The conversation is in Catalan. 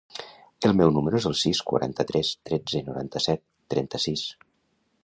El meu número es el sis, quaranta-tres, tretze, noranta-set, trenta-sis.